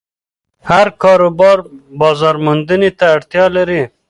هر کاروبار بازارموندنې ته اړتیا لري.